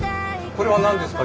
これは何ですか？